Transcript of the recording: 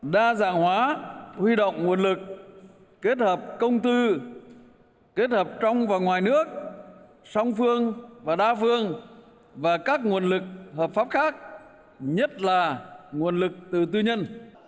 đa dạng hóa huy động nguồn lực kết hợp công tư kết hợp trong và ngoài nước song phương và đa phương và các nguồn lực hợp pháp khác nhất là nguồn lực từ tư nhân